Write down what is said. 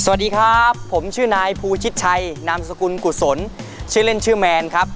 สวัสดีครับผมชื่อนายภูชิดชัยนามสกุลกุศลชื่อเล่นชื่อแมนครับ